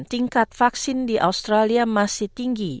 tingkat vaksin di australia masih tinggi